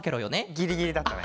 ギリギリだったね。